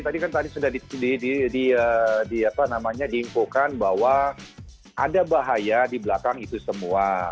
tadi kan tadi sudah diinfokan bahwa ada bahaya di belakang itu semua